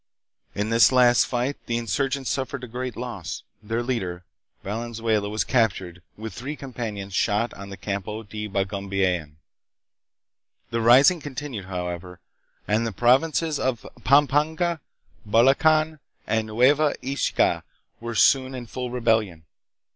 In this last fight the insurgents suffered great loss, their leader, Valenzuela, was captured and, with three companions, shot on the Campo de Bagumbayan. The rising continued, however, and the provinces of Pampanga, Bulacan, and Nueva Ecija were soon in full rebellion.